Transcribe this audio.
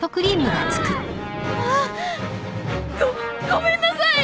ごごめんなさい！